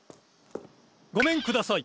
ごめんください。